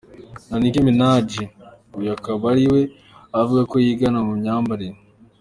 na Nicki Minaji, uyu akaba ari we avuga ko yigana mu myambarire.